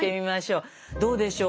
どうでしょう？